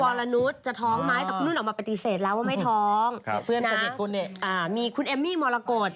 อ่าจะเป็นใคร